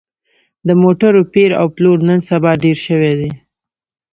د موټرو پېر او پلور نن سبا ډېر شوی دی